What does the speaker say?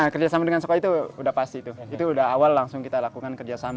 kerjasama dengan sekolah itu udah pasti tuh itu udah awal langsung kita lakukan kerjasama